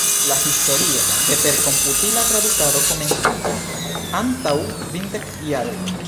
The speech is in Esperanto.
La historio de perkomputila tradukado komenciĝis antaŭ kvindek jaroj.